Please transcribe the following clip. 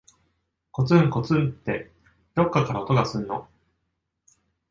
こつんこつんって、どっかから音がすんの。